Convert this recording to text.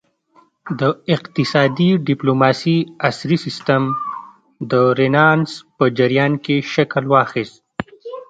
د اقتصادي ډیپلوماسي عصري سیسټم د رینسانس په جریان کې شکل واخیست